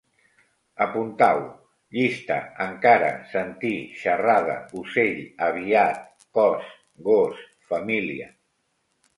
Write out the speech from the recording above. Apuntau: llista, encara, sentir, xerrada, ocell, aviat, cos, gos, família